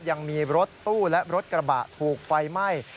ยังมีรถตู้และรถกระบะถูกไฟไหม้